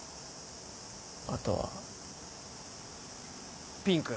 あとはピンク。